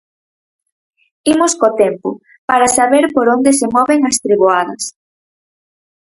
Imos co tempo, para saber por onde se moven as treboadas.